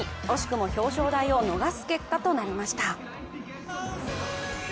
惜しくも表彰台を逃す結果となりました。